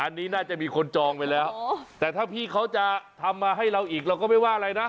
อันนี้น่าจะมีคนจองไปแล้วแต่ถ้าพี่เขาจะทำมาให้เราอีกเราก็ไม่ว่าอะไรนะ